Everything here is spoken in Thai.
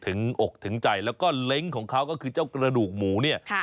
อกถึงใจแล้วก็เล้งของเขาก็คือเจ้ากระดูกหมูเนี่ย